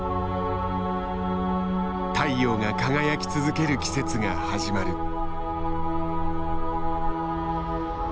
太陽が輝き続ける季節が始まる。